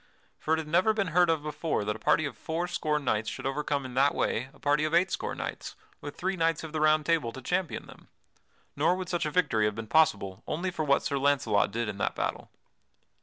For it had never been heard of before that a party of four score knights should overcome in that way a party of eight score knights, with three knights of the Round Table to champion them. Nor would such a victory have been possible only for what Sir Launcelot did in that battle.